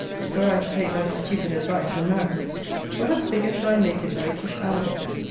Were I to take thy stupid advice, and marry; what a figure should I make in rakish annals!